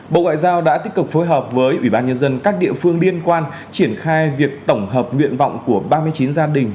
bộ ngoại giao đã tích cực phối hợp với ủy ban nhân dân các địa phương liên quan triển khai việc tổng hợp nguyện vọng của ba mươi chín gia đình